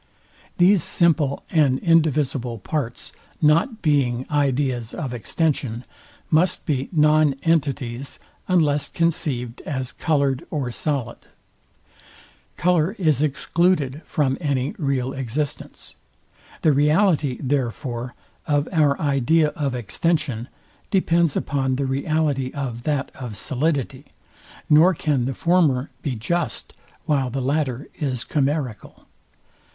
These simple and indivisible parts, not being ideas of extension, must be non entities, unless conceived as coloured or solid. Colour is excluded from any real existence. The reality, therefore, of our idea of extension depends upon the reality of that of solidity, nor can the former be just while the latter is chimerical.